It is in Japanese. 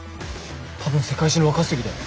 多分世界史の若杉だよ。